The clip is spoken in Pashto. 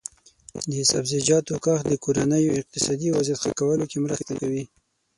د سبزیجاتو کښت د کورنیو اقتصادي وضعیت ښه کولو کې مرسته کوي.